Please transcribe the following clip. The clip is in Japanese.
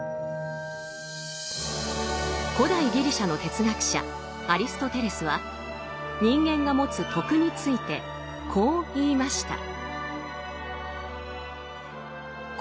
古代ギリシャの哲学者アリストテレスは人間が持つ「徳」についてこう言いました。